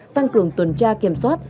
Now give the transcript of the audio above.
tăng cường tuần tra kiểm soát